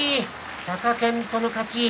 貴健斗の勝ち。